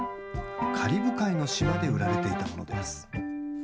カリブ海の島で売られていたものです。